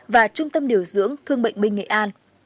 và trung tâm điều dưỡng thương bệnh binh nghệ an